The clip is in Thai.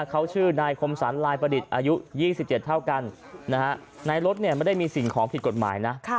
เขาชื่อนายคมสรรลายประดิษฐ์อายุ๒๗เท่ากันในรถไม่ได้มีสิ่งของผิดกฎหมายนะ